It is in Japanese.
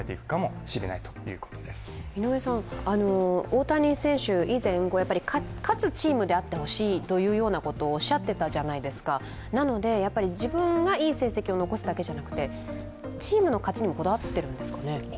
大谷選手、以前、勝つチームであってほしいということをおっしゃってたじゃないですかなので、自分がいい成績を残すだけじゃなくてチームの勝ちにもこだわってるんですかね。